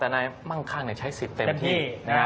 แต่นายมั่งคั่งใช้สิทธิ์เต็มที่